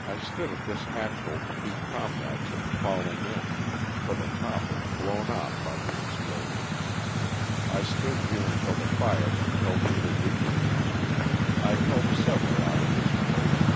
I stood at this hatch hole to keep comrades from falling in, for the top was blown off by the explosion. I stood here until the fire compelled me to leave. I helped several out of this place.